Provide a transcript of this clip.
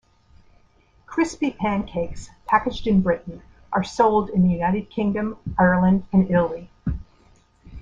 Crispy pancakes, packaged in Britain, are sold in the United Kingdom, Ireland, and Italy.